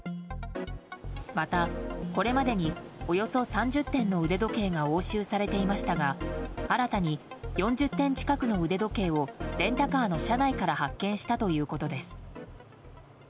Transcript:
また、これまでにおよそ３０点の腕時計が押収されていましたが新たに４０点近くの腕時計をレンタカーの車内から発見したということです。